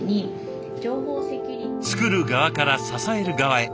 作る側から支える側へ。